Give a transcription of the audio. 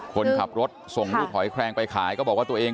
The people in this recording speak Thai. คนขับรถส่งลูกหอยแคลงไปขายก็บอกว่าตัวเอง